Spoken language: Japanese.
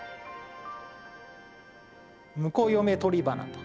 「婿嫁取花」と。